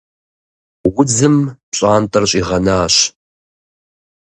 Удзым пщӀантӀэр щӀигъэнащ.